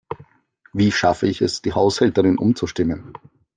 Wie schaffe ich es, die Haushälterin umzustimmen?